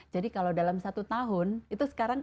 jadi kalau dalam satu tahun itu sekarang